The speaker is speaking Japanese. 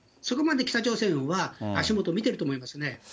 そこまで北朝鮮は足元見てると思いますね。